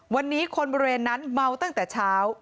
วันนี้คนบริเวณนั้นเมาตั้งแต่เช้า